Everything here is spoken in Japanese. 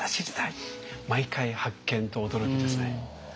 毎回発見と驚きですね。